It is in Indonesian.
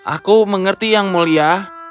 aku mengerti yang mulia